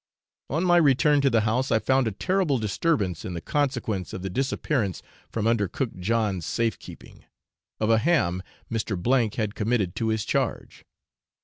On my return to the house I found a terrible disturbance in consequence of the disappearance from under cook John's safe keeping, of a ham Mr. had committed to his charge.